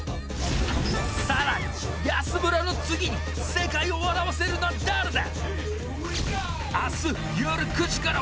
更に、安村の次に世界を笑わせるのは誰だ？